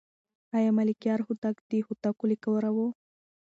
آیا ملکیار هوتک د هوتکو له کوره و؟